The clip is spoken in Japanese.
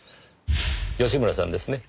吉村さんですね？